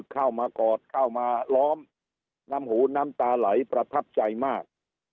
เข้ามากอดเข้ามาล้อมน้ำหูน้ำตาไหลประทับใจมาก